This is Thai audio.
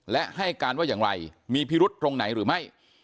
และให้การว่าอย่างไรมีพิรุษตรงไหนหรือไม่